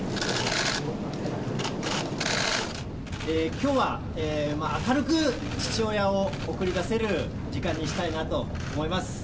きょうは、明るく父親を送り出せる時間にしたいなと思います。